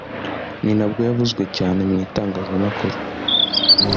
ni nabwo yavuzwe cyane mu itangazamakuru